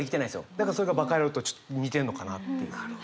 だからそれが「馬鹿野郎！」とちょっと似てるのかなっていう。